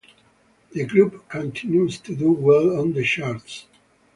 The group continues to do well on the charts.